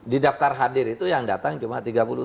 di daftar hadir itu yang datang cuma tiga puluh tujuh